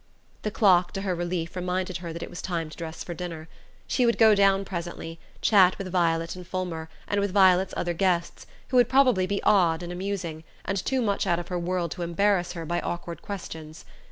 The clock, to her relief, reminded her that it was time to dress for dinner. She would go down presently, chat with Violet and Fulmer, and with Violet's other guests, who would probably be odd and amusing, and too much out of her world to embarrass her by awkward questions.